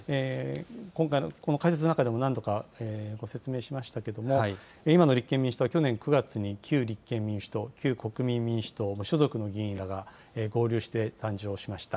今回の、この解説の中でも何度かご説明しましたけれども、今の立憲民主党は去年９月に旧立憲民主党、旧国民民主党、無所属の議員らが合流して誕生しました。